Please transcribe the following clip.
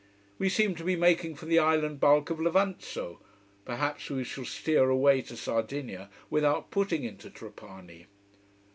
We seem to be making for the island bulk of Levanzo. Perhaps we shall steer away to Sardinia without putting in to Trapani.